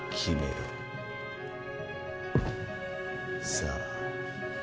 さあ。